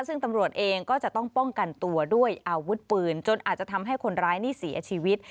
ซึ่งตำรวจเองก็จะต้องป้องกันตัวด้วยอาวุธปืนจนอาจจะทำให้คนร้ายนี่เสียชีวิต